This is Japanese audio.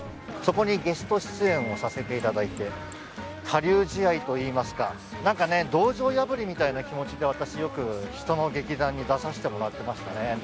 そこにゲスト出演をさせていただいて他流試合といいますか何かね道場破りみたいな気持ちで私よく人の劇団に出させてもらってましたね。